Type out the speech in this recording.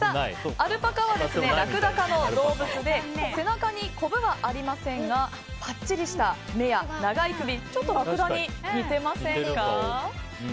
アルパカはラクダ科の動物で背中に、こぶはありませんがぱっちりした目や長い首ちょっとラクダに似てませんか？